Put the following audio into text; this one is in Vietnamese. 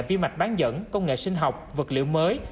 vi mạch bán dẫn công nghệ sinh học vật liệu mới